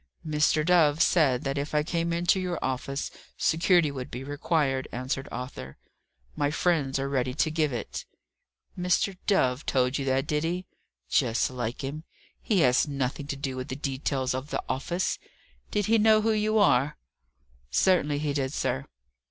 "Mr. Dove said that if I came into your office security would be required," answered Arthur. "My friends are ready to give it." "Mr. Dove told you that, did he? Just like him. He has nothing to do with the details of the office. Did he know who you are?" "Certainly he did, sir."